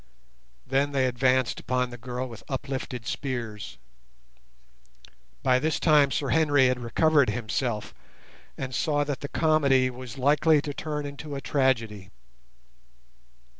Then they advanced upon the girl with uplifted spears. By this time Sir Henry had recovered himself, and saw that the comedy was likely to turn into a tragedy.